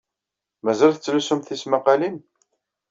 Mazal tettlusumt tismaqqalin?